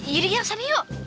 yaudah ya kesana yuk